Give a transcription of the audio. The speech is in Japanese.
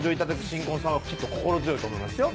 新婚さんはきっと心強いと思いますよ